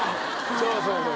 そうそうそう。